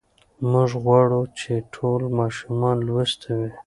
موږ غواړو چې ټول ماشومان لوستي وي.